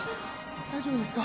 大丈夫ですか？